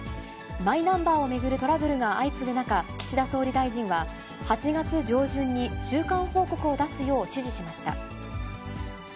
マイナンバーを巡るトラブルが相次ぐ中、岸田総理大臣は、８月上旬に中間報告を出すよう指示しました。